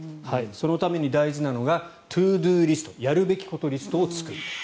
そのために大事なのがＴｏＤｏリストやるべきことリストを作る。